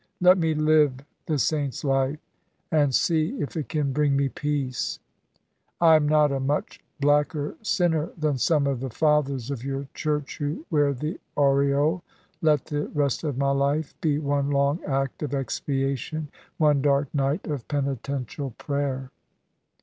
Let me live the saint's life, and see if it can bring me peace. I am not a much blacker sinner than some of the fathers of your Church who wear the aureole. Let the rest of my life be one long act of expiation, one dark night of penitential prayer."